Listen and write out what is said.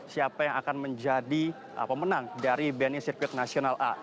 siapa yang akan menjadi pemenang dari bni sirkuit nasional a